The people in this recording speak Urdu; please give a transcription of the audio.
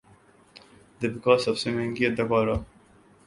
دپیکا سب سے مہنگی اداکارہ